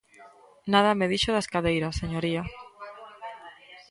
Nada me dixo das cadeiras, señoría.